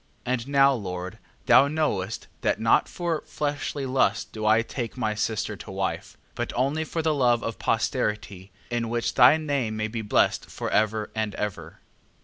8:9. And now, Lord, thou knowest, that not for fleshly lust do I take my sister to wife, but only for the love of posterity, in which thy name may be blessed for ever and ever.